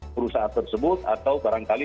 perusahaan tersebut atau barangkali